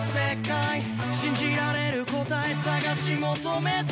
「信じられる答え探し求めて」